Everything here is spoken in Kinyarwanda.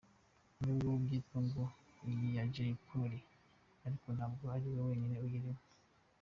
N’ubwo byitwa ngo ni iya Jeyi Poli ariko ntabwo ari we wenyine uyirimo.